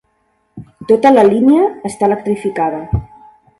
Tota la línia està electrificada.